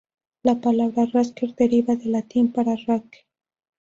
La palabra "raster" deriva del latín para "rake".